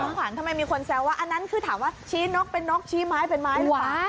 ขวัญทำไมมีคนแซวว่าอันนั้นคือถามว่าชี้นกเป็นนกชี้ไม้เป็นไม้หรือเปล่า